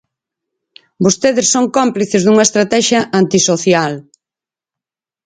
Vostedes son cómplices dunha estratexia antisocial.